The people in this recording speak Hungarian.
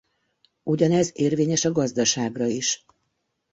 Ugyanez érvényes a gazdaságra is.